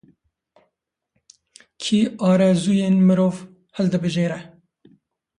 Kî arezûyên mirov hildibijêre?